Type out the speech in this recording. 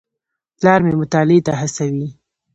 پلار مې مطالعې ته هڅوي.